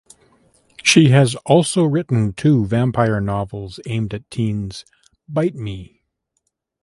She has also written two vampire novels aimed at teens, Bite me!